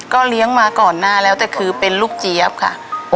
เลี้ยงมาก่อนหน้าแล้วแต่คือเป็นลูกเจี๊ยบค่ะ